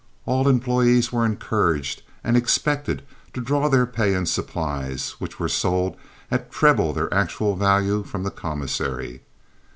All employees were encouraged and expected to draw their pay in supplies, which were sold at treble their actual value from the commissary.